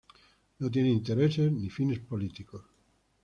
No tiene intereses, ni fines políticos.